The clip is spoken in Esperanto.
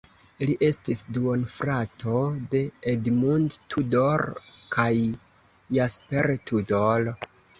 Li estis duonfrato de Edmund Tudor kaj Jasper Tudor.